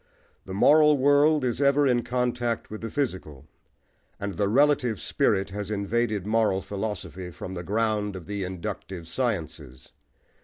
The moral world is ever in contact with the physical, and the relative spirit has invaded moral philosophy from the ground of the inductive sciences.